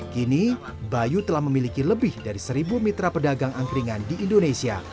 kini bayu telah memiliki lebih dari seribu mitra pedagang angkringan di indonesia